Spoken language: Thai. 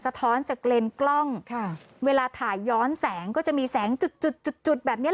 สะท้อนจากเกร็นกล้องเวลาถ่ายย้อนแสงก็จะมีแสงจุดแบบนี้